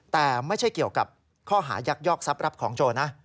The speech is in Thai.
แต่ไม่ใช่เกี่ยวกับข้อหายักยอกทรัพย์รับของโจรนะ